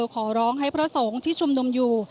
ขอร้องให้พระสงฆ์ที่ชุมนุมอยู่